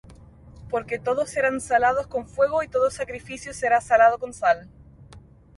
Porque todos serán salados con fuego, y todo sacrificio será salado con sal.